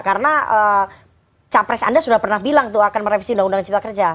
karena capres anda sudah pernah bilang akan merevisi undang undang cipta kerja